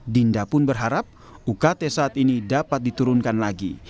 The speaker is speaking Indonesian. dinda pun berharap ukt saat ini dapat diturunkan lagi